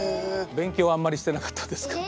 勉強あんまりしてなかったです。